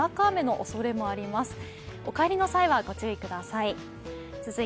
お帰りの際は御注意ください。